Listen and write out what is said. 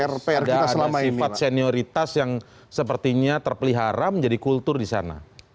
ada sifat senioritas yang sepertinya terpelihara menjadi kultur di sana